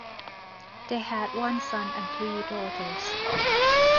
They had one son and three daughters.